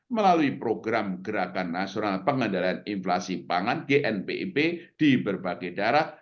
melalui program gerakan nasional pengendalian inflasi pangan gnpip di berbagai daerah